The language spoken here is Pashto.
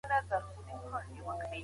خوب ته ورتللو